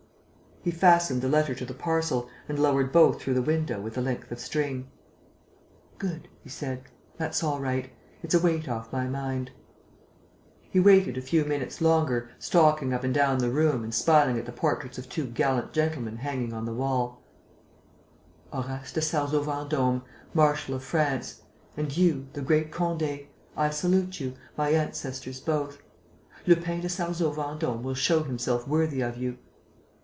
He fastened the letter to the parcel and lowered both through the window with a length of string: "Good," he said. "That's all right. It's a weight off my mind." He waited a few minutes longer, stalking up and down the room and smiling at the portraits of two gallant gentlemen hanging on the wall: "Horace de Sarzeau Vendôme, marshal of France.... And you, the Great Condé ... I salute you, my ancestors both. Lupin de Sarzeau Vendôme will show himself worthy of you."